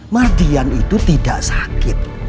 mardian itu tidak sakit